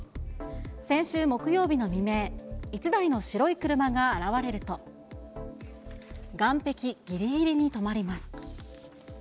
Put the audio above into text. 先週木曜日の未明、１台の白い車が現れると、岸壁ぎりぎりに止まります。